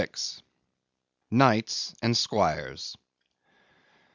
Knights and Squires.